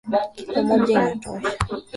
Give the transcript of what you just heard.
Kilo moja inatosha.